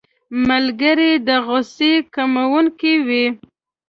ملګری د غوسې کمونکی وي